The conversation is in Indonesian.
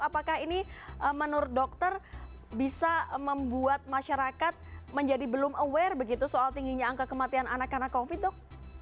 apakah ini menurut dokter bisa membuat masyarakat menjadi belum aware begitu soal tingginya angka kematian anak karena covid dok